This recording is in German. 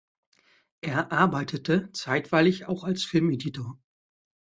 Er arbeitete zeitweilig auch als Filmeditor.